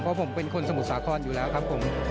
เพราะผมเป็นคนสมุทรสาครอยู่แล้วครับผม